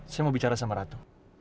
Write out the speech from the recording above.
saya mau bicara sama ratu